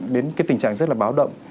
đến tình trạng rất là báo động